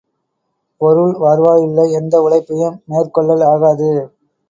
பொருள் வருவாயுள்ள எந்த உழைப்பையும் மேற்கொள்ளல் ஆகாது.